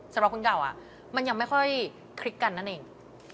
สำหรับคุณเก่ามันยังไม่ค่อยคลิกกันนั่นเอง